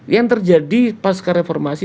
yang terjadi pas kereformasi